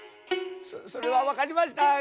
そそれはわかりました。